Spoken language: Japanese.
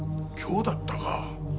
今日だったか。